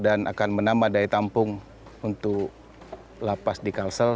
dan akan menambah daya tampung untuk lapas di kalsel